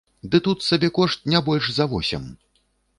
Ды тут сабекошт не больш за восем!